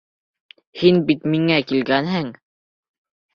Һин бит миңә килгәнһең!